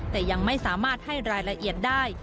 แต่ยังไม่สามารถให้รายละเอียดได้